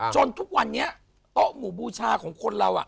ทุกวันนี้โต๊ะหมู่บูชาของคนเรา